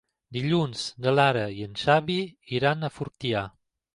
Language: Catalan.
Dilluns na Lara i en Xavi iran a Fortià.